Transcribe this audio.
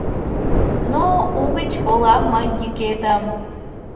Но угыч колам мый йӱкетым